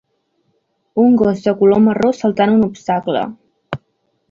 Un gos de color marró saltant un obstacle.